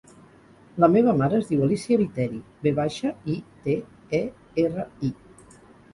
La meva mare es diu Alícia Viteri: ve baixa, i, te, e, erra, i.